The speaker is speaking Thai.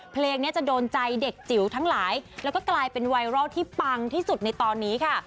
เพลงนี้จะโดนใจเด็กจิ๋วทั้งหลายแล้วก็กลายเป็นไวรัลที่ปังที่สุดในตอนนี้ค่ะ